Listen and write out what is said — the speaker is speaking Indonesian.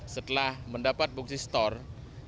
setelah mendapat bukti store